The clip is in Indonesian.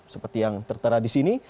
seperti yang tertera di sini